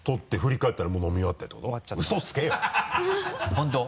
本当？